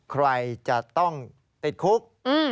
ใครจะต้องติดคุก